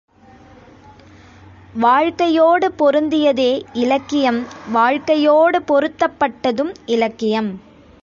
வாழ்க்கையோடு பொருந்தியதே இலக்கியம் வாழ்க்கையோடு பொருத்தப் பட்டதும் இலக்கியம்.